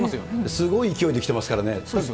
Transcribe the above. すごい勢いできてますからね、